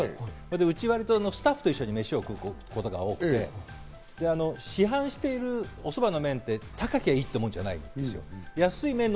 うち、割とスタッフと一緒にメシを食うことが多くて、市販しているおそばの麺って高きゃいいってもんじゃないんですよ。